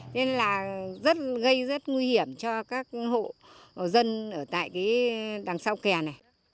nên là rất gây rất nguy hiểm cho các hộ dân ở tại cái đằng sau kè này